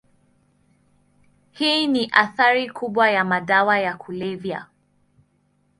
Hii ni athari kubwa ya madawa ya kulevya.